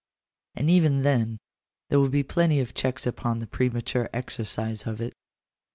And even then there will be plenty of checks upon the premature exercise of it.